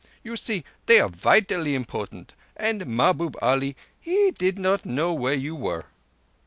You see, they are vitally important, and Mahbub Ali he did not know where you were."